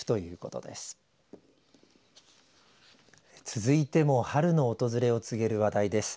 続いても春の訪れを告げる話題です。